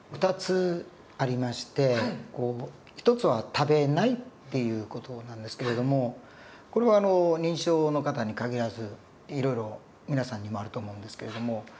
２つありまして一つは食べないっていう事なんですけれどもこれは認知症の方に限らずいろいろ皆さんにもあると思うんですけれども。